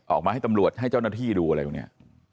ออกมาให้ตำรวจให้เจ้าหน้าที่ดูอะไรพวกนี้